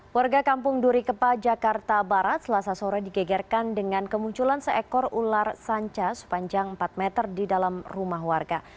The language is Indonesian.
warga kampung duri kepa jakarta barat selasa sore digegerkan dengan kemunculan seekor ular sanca sepanjang empat meter di dalam rumah warga